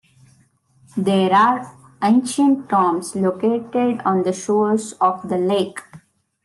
There are ancient tombs located on the shores of the lake.